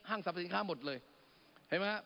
ห้างสรรพสินค้าหมดเลยเห็นมั้ยครับ